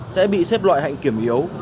vẫn bị xếp loại hạnh kiểm yếu